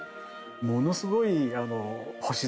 ものすごい星空。